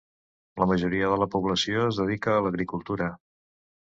La majoria de la població es dedica a l'agricultura.